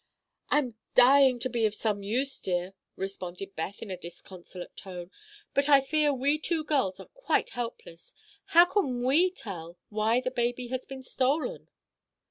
'" "I'm dying to be of some use, dear," responded Beth in a disconsolate tone, "but I fear we two girls are quite helpless. How can we tell why the baby has been stolen?"